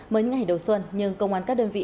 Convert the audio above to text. mới những ngày đầu xuân nhưng công an các đơn vị